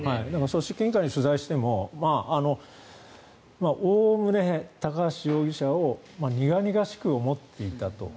組織委員会に取材してもおおむね高橋容疑者を苦々しく思っていたと。